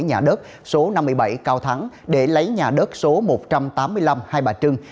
nhà đất số năm mươi bảy cao thắng để lấy nhà đất số một trăm tám mươi năm hai bà trưng